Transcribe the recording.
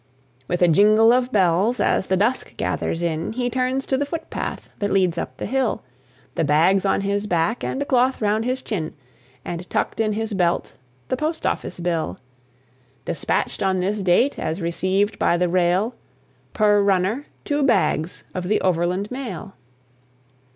With a jingle of bells as the dusk gathers in, He turns to the foot path that leads up the hill The bags on his back, and a cloth round his chin, And, tucked in his belt, the Post Office bill; "Despatched on this date, as received by the rail, Per runner, two bags of the Overland Mail."